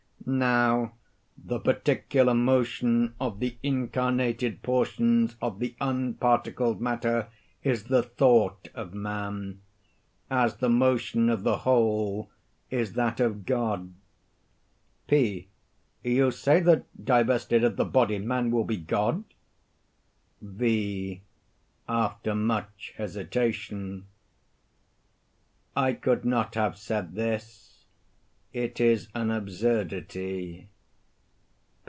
Now, the particular motion of the incarnated portions of the unparticled matter is the thought of man; as the motion of the whole is that of God. P. You say that divested of the body man will be God? V. [After much hesitation.] I could not have said this; it is an absurdity.